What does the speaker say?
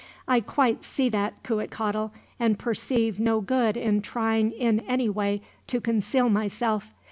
"I quite see that, Cuitcatl, and perceive no good in trying in any way to conceal myself.